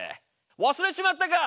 忘れちまったか？